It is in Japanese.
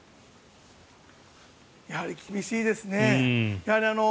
やはり厳しいですね。